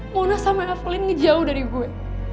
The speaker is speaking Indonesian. mona sama evelyn ngejauh dari gue